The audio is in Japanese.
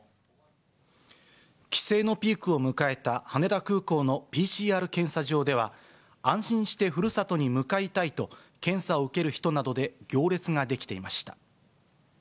帰省のピークを迎えた羽田空港のＰＣＲ検査場では、安心してふるさとに向かいたいと、検査を受ける人などで行列が出来ていました。